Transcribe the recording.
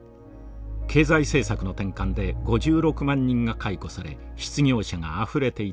経済政策の転換で５６万人が解雇され失業者があふれていた年でした。